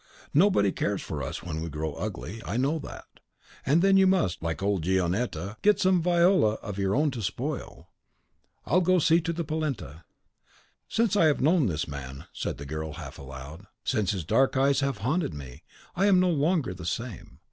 Nobody cares for us when we grow ugly, I know that; and then you must, like old Gionetta, get some Viola of your own to spoil. I'll go and see to the polenta." "Since I have known this man," said the girl, half aloud, "since his dark eyes have haunted me, I am no longer the same.